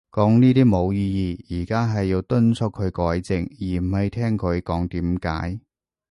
講呢啲冇意義。而家係要敦促佢改正，而唔係聽佢講點解